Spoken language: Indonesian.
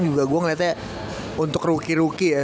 juga gue ngeliatnya untuk rookie rookie ya